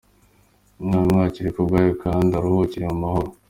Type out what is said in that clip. Imana imwakire mu bayo kandi aruhukire mu mahoro !!.